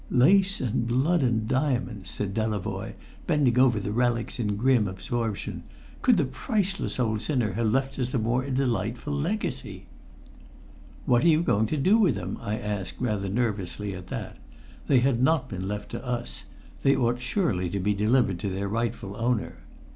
"Lace and blood and diamonds!" said Delavoye, bending over the relics in grim absorption. "Could the priceless old sinner have left us a more delightful legacy?" "What are you going to do with them?" I asked rather nervously at that. They had not been left to us. They ought surely to be delivered to their rightful owner.